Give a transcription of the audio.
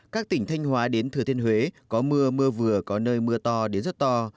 các tỉnh thanh hóa đến thừa thiên huế có mưa mưa vừa có nơi mưa to đến rất to